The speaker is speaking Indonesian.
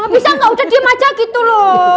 bisa gak udah dia macah gitu loh